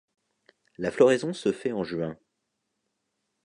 La floraison se fait en juin.